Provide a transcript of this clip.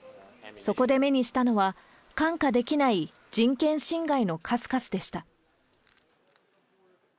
そこで目にしたのは、看過できない人権侵害の数々でした。